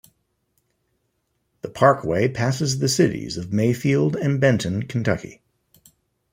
The parkway passes the cities of Mayfield and Benton, Kentucky.